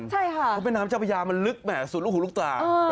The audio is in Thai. เพราะแม่น้ำเจ้าพญายามันลึกสุดผู้ลูกตา